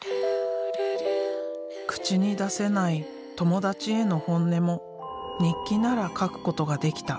口に出せない友達への本音も日記なら書くことができた。